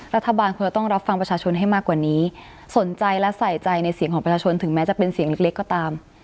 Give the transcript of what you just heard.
รัฐบาลควรจะต้องรับฟังประชาชนให้มากกว่านี้สนใจและใส่ใจในเสียงของประชาชนถึงแม้จะเป็นเสียงเล็กก็ตาม